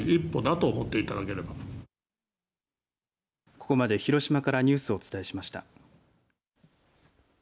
ここまで広島からニュースをお伝えしました。